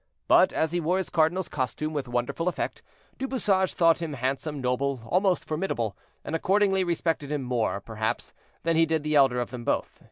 But as he wore his cardinal's costume with wonderful effect, Du Bouchage thought him handsome, noble, almost formidable, and accordingly respected him more, perhaps, than he did the elder of them both.